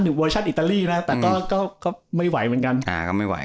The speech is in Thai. เวอร์ชั่นอิตาลีนะแต่ก็ก็ไม่ไหวเหมือนกันอ่าก็ไม่ไหว